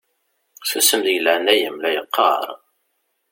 Susem deg leɛnaya-m la yeqqaṛ!